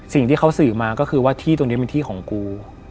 สิ่งที่เขาสื่อมาก็คือว่าที่ตรงนี้เป็นที่ของกู